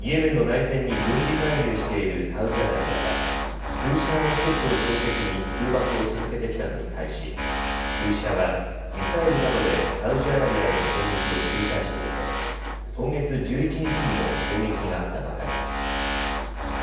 イエメンの内戦に軍事介入しているサウジアラビアはフーシ派の施設を標的に空爆を続けてきたのに対しフーシ派は、ミサイルなどでサウジアラビアへの攻撃を繰り返していて今月１１日にも攻撃があったばかりです。